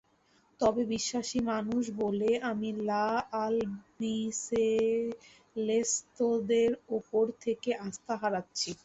তবে বিশ্বাসী মানুষ বলে আমি লা আলবিসেলেস্তেদের ওপর থেকে আস্থা হারাচ্ছি না।